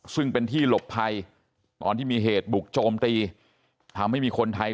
ซึ่งเป็นที่หลบภัยตอนที่มีเหตุบุกโจมตีทำให้มีคนไทย